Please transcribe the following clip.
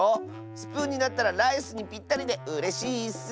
スプーンになったらライスにぴったりでうれしいッス。